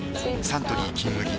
サントリー「金麦」